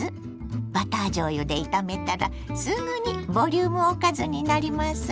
バターじょうゆで炒めたらすぐにボリュームおかずになりますよ。